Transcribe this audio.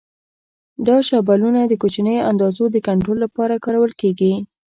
دا شابلونونه د کوچنیو اندازو د کنټرول لپاره کارول کېږي.